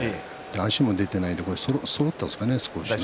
足も出てないのでそろったんですかね、少しね。